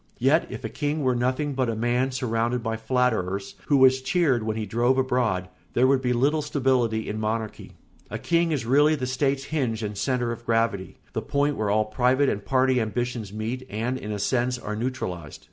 Yet if a king were nothing but a man surrounded by flatterers, who was cheered when he drove abroad, there would be little stability in monarchy. A king is really the state's hinge and centre of gravity, the point where all private and party ambitions meet and, in a sense, are neutralised.